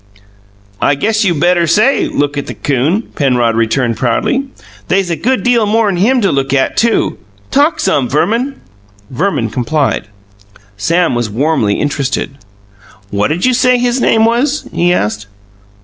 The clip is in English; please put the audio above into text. "I guess you better say, 'Look at the 'coon!'" Penrod returned proudly. "They's a good deal more'n him to look at, too. Talk some, Verman." Verman complied. Sam was warmly interested. "What'd you say his name was?" he asked.